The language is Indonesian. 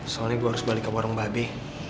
soalnya gue harus balik ke warung babi